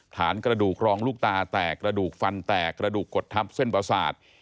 ฐานกระดูกรองลูกตาแตกกระดูกฟันแตกกระดูกกดทับเส้นประสาท